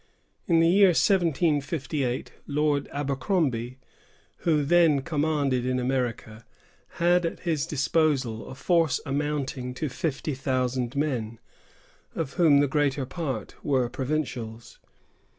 In the year 1758, Lord Abercrombie, who then commanded in America, had at his disposal a force amounting to fifty thousand men, of whom the greater part were provincials.